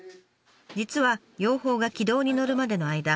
実は養蜂が軌道に乗るまでの間